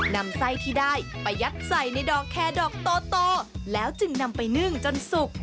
นำไส้ที่ได้ไปยัดใส่ในดอกแคร์ดอกโตแล้วจึงนำไปนึ่งจนสุก